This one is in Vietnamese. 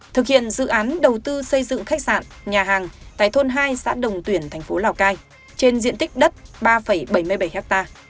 thực hiện dự án đầu tư xây dựng khách sạn nhà hàng tại thôn hai xã đồng tuyển thành phố lào cai trên diện tích đất ba bảy mươi bảy ha